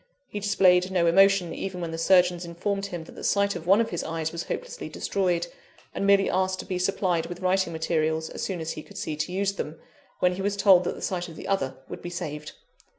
He displayed no emotion even when the surgeons informed him that the sight of one of his eyes was hopelessly destroyed; and merely asked to be supplied with writing materials as soon as he could see to use them, when he was told that the sight of the other would be saved.